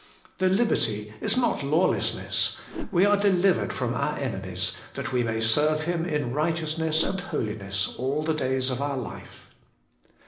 The liberty is not lawlessness :' we are delivered from our enemies, that we may serve Him in righteousness and holiness all the days of our life.'